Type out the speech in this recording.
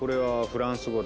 フランス語？